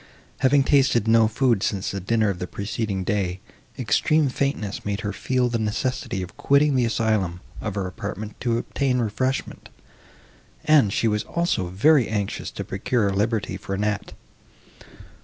Having tasted no food since the dinner of the preceding day, extreme faintness made her feel the necessity of quitting the asylum of her apartment to obtain refreshment, and she was also very anxious to procure liberty for Annette.